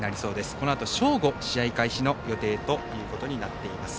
このあと正午試合開始の予定となっています。